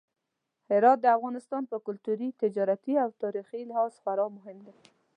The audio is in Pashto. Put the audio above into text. هرات د افغانستان په کلتوري، تجارتي او تاریخي لحاظ خورا مهم دی.